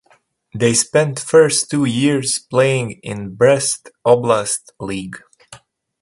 They spent first two years playing in Brest Oblast league.